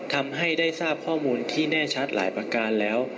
ทำให้ได้ทราบข้อมูลที่แน่ชัดหลายประการแล้ว